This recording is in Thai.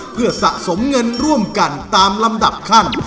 เพื่อสะสมเงินร่วมกันตามลำดับขั้น